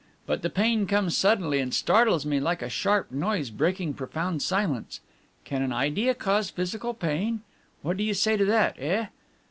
But the pain comes suddenly, and startles me like a sharp noise breaking profound silence. Can an idea cause physical pain? What do you say to that, eh?"